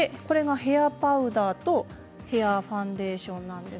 ヘアパウダーとヘアファンデーションです。